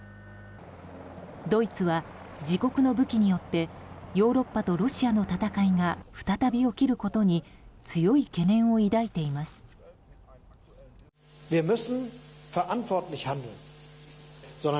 ドイツは自国の武器によってヨーロッパとロシアの戦いが再び起きることに強い懸念を抱いています。